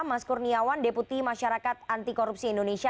mas kurniawan deputi masyarakat antikorupsi indonesia